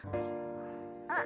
あっ。